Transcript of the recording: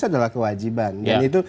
adalah kewajiban dan itu